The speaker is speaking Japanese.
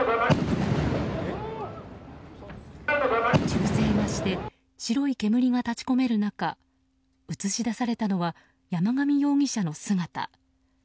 銃声がして白い煙が立ち込める中映し出されたのは山上容疑者の姿。